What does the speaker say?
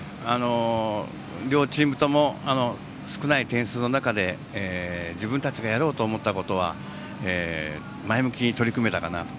両チームとも少ない点数の中で自分たちがやろうと思ったことは前向きに取り組めたかなと。